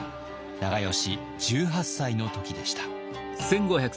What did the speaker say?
長慶１８歳の時でした。